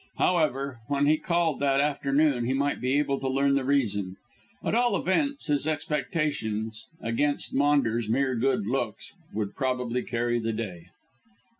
However, when he called that afternoon he might be able to learn the reason. At all events, his expectations, against Maunders' mere good looks, would probably carry the day.